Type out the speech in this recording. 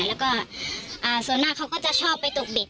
แล้วก็ส่วนมากเขาก็จะชอบไปตกเด็ก